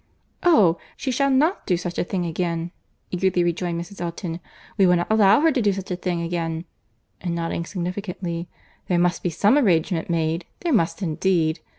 "Oh! she shall not do such a thing again," eagerly rejoined Mrs. Elton. "We will not allow her to do such a thing again:"—and nodding significantly—"there must be some arrangement made, there must indeed.